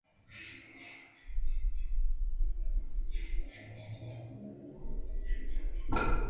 Su contrato fue rescindido de mutuo acuerdo entre los trabajadores y sus empleadores.